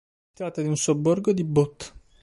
Si tratta di un sobborgo di Butte.